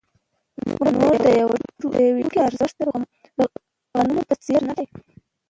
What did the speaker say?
نور د یوه توکي ارزښت د غنمو په څېر نه دی